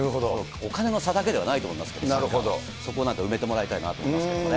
お金の差だけではないと思いますけどね、そこをなんか埋めてもらいたいなと思いますけれどもね。